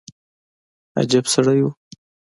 عجب سړى و.